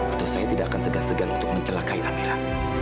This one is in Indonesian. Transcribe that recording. atau saya tidak akan segan segan untuk mencelakai amira